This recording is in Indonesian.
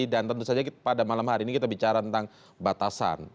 dan tentu saja pada malam hari ini kita bicara tentang batasan